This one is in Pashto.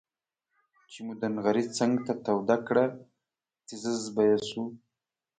چې مو د نغري څنګ ته توده کړه تيزززز به یې شو.